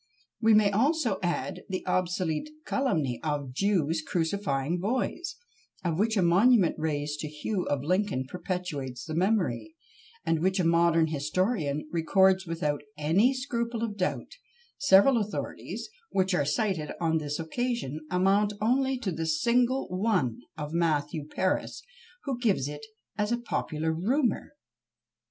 We may also add the obsolete calumny of Jews crucifying boys of which a monument raised to Hugh of Lincoln perpetuates the memory, and which a modern historian records without any scruple of doubt; several authorities, which are cited on this occasion, amount only to the single one of Matthew Paris, who gives it as a popular rumour.